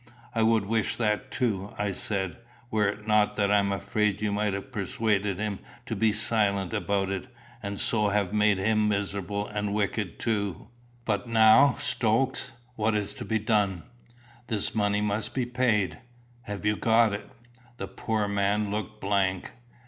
"I would wish that too," I said, "were it not that I am afraid you might have persuaded him to be silent about it, and so have made him miserable and wicked too. But now, Stokes, what is to be done? This money must be paid. Have you got it?" The poor man looked blank.